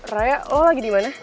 raya lu lagi dimana